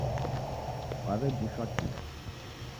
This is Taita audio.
Kwaw'ejishwa kii?